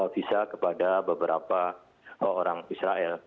visa kepada beberapa orang israel